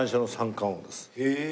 へえ。